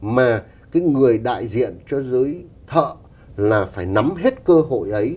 mà cái người đại diện cho giới thợ là phải nắm hết cơ hội ấy